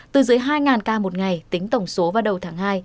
từ dưới hai ca một ngày tính tổng số vào đầu tháng hai